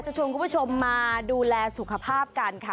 ชวนคุณผู้ชมมาดูแลสุขภาพกันค่ะ